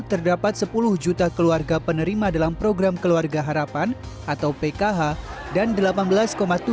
terdapat sepuluh juta keluarga penerima dalam program keluarga haram